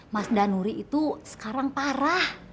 mas danuri itu sekarang parah